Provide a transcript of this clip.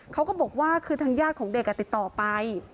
เขาก็บอกว่าคือทางญาติของเด็กติดต่อไป